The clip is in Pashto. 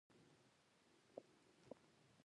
موټر سره مو ژوند اسانه شوی دی.